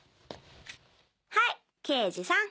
はい刑事さん！